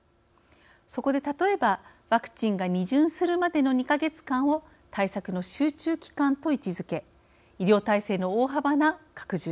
そこで、例えばワクチンが２巡するまでの２か月間を対策の集中期間と位置づけ医療体制の大幅な拡充